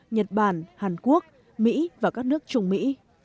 nhật bản hàn quốc mỹ và các nước trung mỹ